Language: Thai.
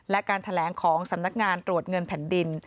และการแถลงของสำนักงานตรวจเงินแผ่นดิน